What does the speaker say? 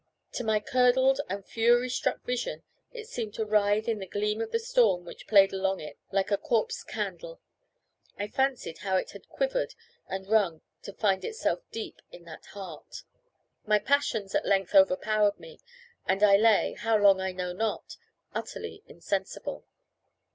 To my curdled and fury struck vision it seemed to writhe in the gleam of the storm which played along it like a corpse candle. I fancied how it had quivered and rung to find itself deep in that heart. My passions at length overpowered me, and I lay, how long I know not, utterly insensible.